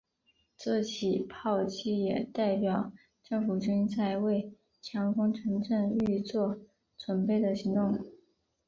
这起炮击也代表政府军在为强攻城镇预作准备的行动。